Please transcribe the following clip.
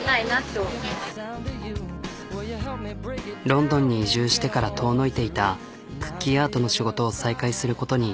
ロンドンに移住してから遠のいていたクッキーアートの仕事を再開することに。